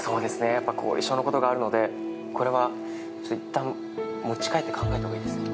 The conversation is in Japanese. やっぱ後遺症のことがあるのでこれはいったん持ち帰って考えたほうがいいですね。